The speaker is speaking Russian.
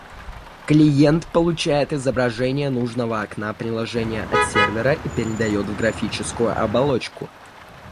Клиент получает изображение нужного окна приложения от сервера и передает в графическую оболочку